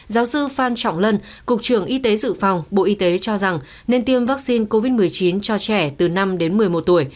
giáo sư phan trọng lân cục trưởng y tế dự phòng bộ y tế cho rằng nên tiêm vaccine covid một mươi chín cho trẻ từ năm đến một mươi một tuổi